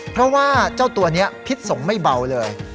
เพราะว่าเจ้าตัวนี้พิษสงฆ์ไม่เบาเลย